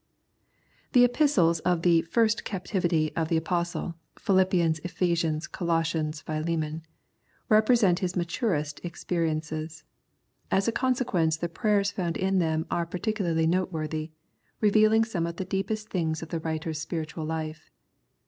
The Epistles of the (first) captivity of the Apostle (Philippians, Ephesians, Colossians, Philemon) represent his maturest experiences. As a consequence the prayers found in them are particularly noteworthy, revealing some of the deepest things of the writer's spiritual life.